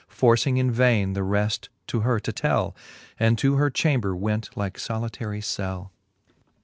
Forcing in vaine the reft to her to tell, And to her chamber went like folitary cell.